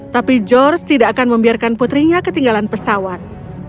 tapi george tidak akan membiarkan putrinya ketinggalan pesawat